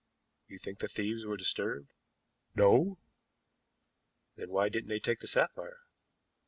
"You think the thieves were disturbed?" "No." "Then why didn't they take the sapphire?"